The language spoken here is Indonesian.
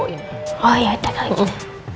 oh iya kita ke depan